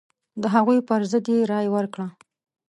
د هغوی پر ضد یې رايه ورکړه.